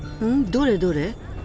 どれどれ？